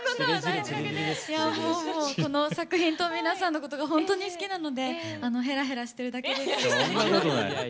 この作品と皆さんのことがほんとに好きなのでへらへらしてるだけです。